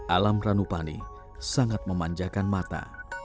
alam ranupani sangat memanjakan mata